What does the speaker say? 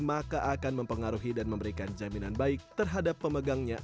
maka akan mempengaruhi dan memberikan jaminan baik terhadap pemegangnya